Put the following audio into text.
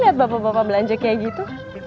lihat bapak bapak belanja kayak gitu